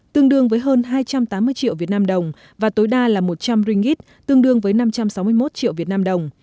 tương đương với hơn hai trăm tám mươi triệu việt nam đồng và tối đa là một trăm linh ringgit tương đương với năm trăm sáu mươi một triệu việt nam đồng